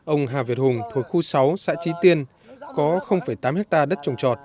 ông hà việt hùng thuộc khu sáu xã trí tiên có tám hectare đất trồng trọt